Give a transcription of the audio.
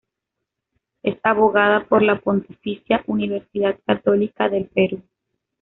Es abogada por la Pontificia Universidad Católica del Perú.